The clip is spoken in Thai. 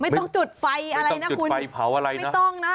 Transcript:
ไม่ต้องจุดไฟอะไรไม่ต้องนะ